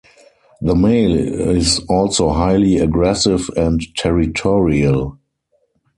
The male is also highly aggressive and territorial.